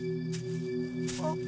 あっ。